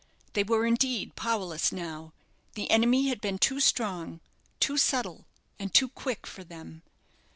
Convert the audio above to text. They were, indeed, powerless now; the enemy had been too strong, too subtle, and too quick for them.